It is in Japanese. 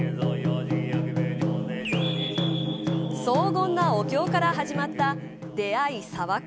荘厳なお経からから始まった出会い茶話会